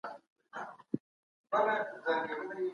هغوی په خپلو عبادت ځايونو کي پروګرامونه ترسره کوي.